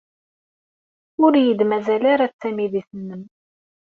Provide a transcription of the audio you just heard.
Ur iyi-d-mazal ara d tamidit-nnem.